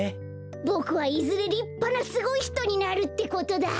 ボクはいずれりっぱなすごいひとになるってことだ！